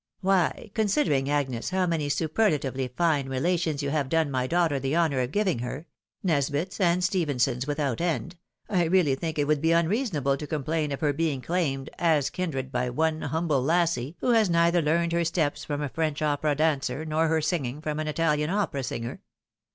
" Why, considering, Agnes, how many superlatively fine relations you have done my daughter the honour of giving her — ^Nesbitte and Stephensons without end — I really think it would be unreasonable to complain of her being claimed as kindred by one humble lassie who has neither learned her steps AI^ rS'VITATION TO BINNEE. 99 from a French opera dancer, nor her singing from an Italian opera singer.